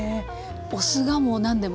お酢がもう何でも。